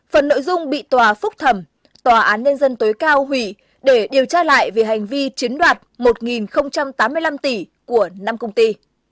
phần nội dung bị tòa phúc thẩm tòa án nhân dân tối cao hủy để điều tra lại vì hành vi chiếm đoạt một tám mươi năm tỷ của năm công ty